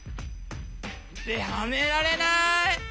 はめられない！